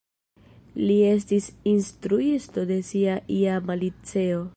Li estis instruisto de sia iama liceo.